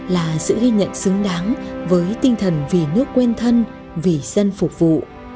là sự ghi nhận xứng đáng với tinh thần vì nước quên thân vì dân phục vụ